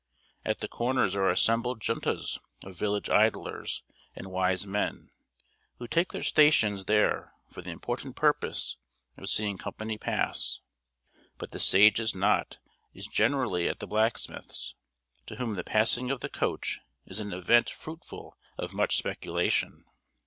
At the corners are assembled juntas of village idlers and wise men, who take their stations there for the important purpose of seeing company pass; but the sagest knot is generally at the blacksmith's, to whom the passing of the coach is an event fruitful of much speculation.